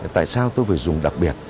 tại sao tôi phải dùng đặc biệt